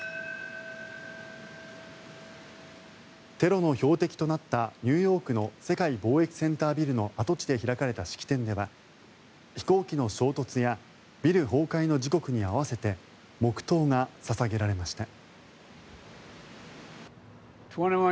テロの標的となったニューヨークの世界貿易センタービルの跡地で開かれた式典では飛行機の衝突やビル崩壊の時刻に合わせて黙祷が捧げられました。